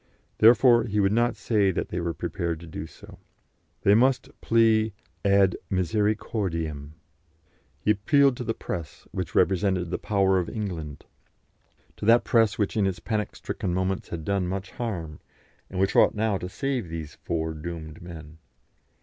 Therefore he would not say that they were prepared to do so. They must plead ad misericordiam. He appealed to the press, which represented the power of England; to that press which in its panic stricken moments had done much harm, and which ought now to save these four doomed men.